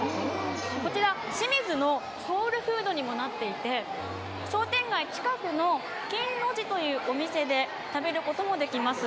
こちら、清水のソウルフードにもなっていて、商店街近くの金の字というお店で食べることもできます。